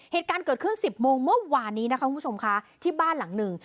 เหตุการณ์เกิดขึ้นสิบโมงเมื่อวานนี้นะคะคุณผู้ชมค่ะที่บ้านหลังหนึ่ง